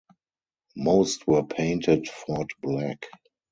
Most were painted Ford black.